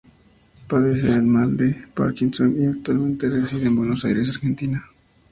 Padece del mal del parkinson y actualmente reside en Buenos Aires, Argentina.